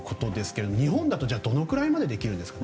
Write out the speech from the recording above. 日本だとどのぐらいまでできますか？